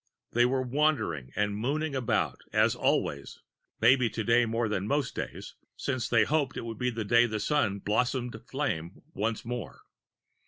They were wandering and mooning about, as always maybe today more than most days, since they hoped it would be the day the Sun blossomed flame once more.